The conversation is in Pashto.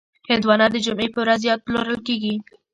هندوانه د جمعې په ورځ زیات پلورل کېږي.